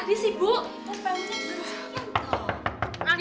aduh kamu kok masih begini